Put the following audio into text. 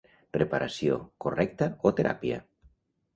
Reparació, correcta o teràpia.